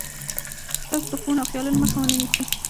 ستاسې د خوبونو او خيالونو مخه و نه نيسي.